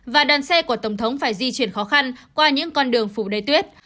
và đoàn xe của tổng thống phải di chuyển khó khăn qua những con đường phủ đầy tuyết